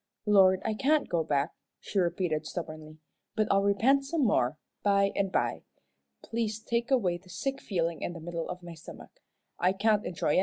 "Lord, I can't go back," she repeated, stubbornly, "but I'll repent some more, by and by. Please take away the sick feeling in the middle of my stomach. I can't enjoy anythin'."